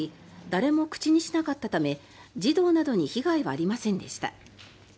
誰も口にしなかったため児童などに被害はありませんでした。